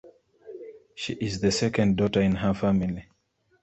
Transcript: She is the second daughter in her family.